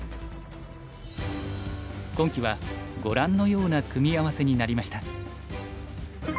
今期はご覧のような組み合わせになりました。